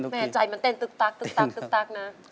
ตื่นเต้นตึ๊กตั๊กตึ๊กตั๊กตึ๊กตั๊กนะ